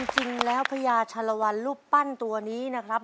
จริงแล้วพญาชาลวันรูปปั้นตัวนี้นะครับ